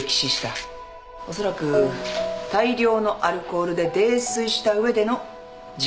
おそらく大量のアルコールで泥酔した上での事故死。